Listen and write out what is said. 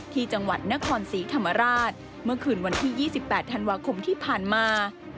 ที่จังหวัดนครศรีธรรมราชเมื่อคืนวันที่๒๘ธันวาคมที่ผ่านมา